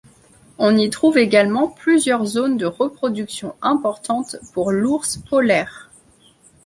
On y trouve également plusieurs zones de reproduction importantes pour l'ours polaire.